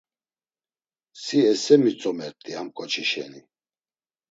Si esse mitzomert̆i ham ǩoçi şeni.